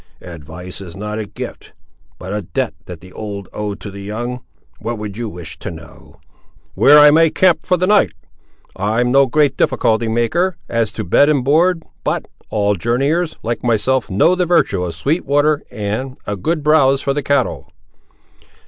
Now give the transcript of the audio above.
"Advice is not a gift, but a debt that the old owe to the young. What would you wish to know?" "Where I may camp for the night. I'm no great difficulty maker, as to bed and board; but, all old journeyers, like myself, know the virtue of sweet water, and a good browse for the cattle."